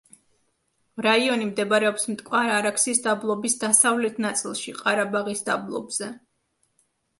რაიონი მდებარეობს მტკვარ-არაქსის დაბლობის დასავლეთ ნაწილში, ყარაბაღის დაბლობზე.